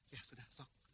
ya sudah sok